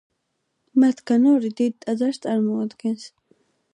მათგან ორი დიდ ტაძარს წარმოადგენს.